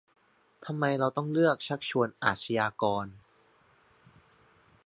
ทำไมเราต้องเลือกชักชวนอาชญากร